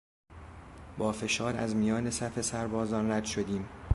با فشار از میان صف سربازان رد شدیم.